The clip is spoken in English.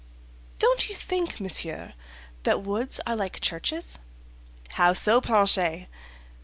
"Don't you think, monsieur, that woods are like churches?" "How so, Planchet?"